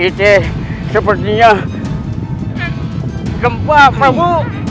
itu sepertinya gempa prabu